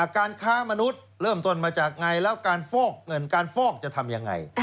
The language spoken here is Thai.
การค้ามนุษย์เริ่มต้นมาจากไงแล้วการฟอกเงินการฟอกจะทำยังไง